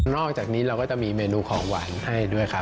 อกจากนี้เราก็จะมีเมนูของหวานให้ด้วยครับ